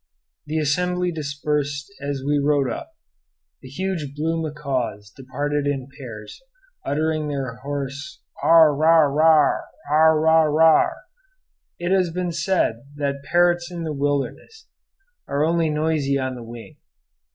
The assembly dispersed as we rode up; the huge blue macaws departed in pairs, uttering their hoarse "ar rah h, ar rah h." It has been said that parrots in the wilderness are only noisy on the wing.